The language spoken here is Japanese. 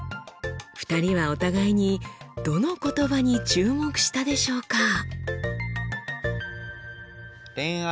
２人はお互いにどの言葉に注目したでしょうか？